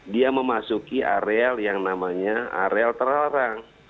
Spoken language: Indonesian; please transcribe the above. dia memasuki areal yang namanya areal terlarang